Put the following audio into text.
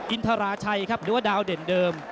อินทราชัยครับหรือว่าดาวเด่นเดิม